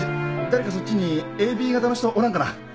誰かそっちにＡＢ型の人おらんかな？